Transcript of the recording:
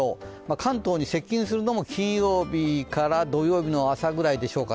関東に接近するのも金曜日から土曜日の朝ぐらいでしょうか。